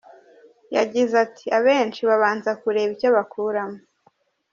Yagize ati “Abenshi babanza kureba icyo bakuramo.